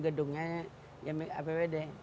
gedungnya yang apwd